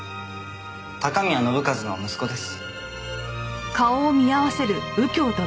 高宮信一の息子です。